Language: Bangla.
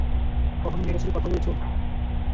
কখনও মেয়েটার সাথে কথা বলেছ?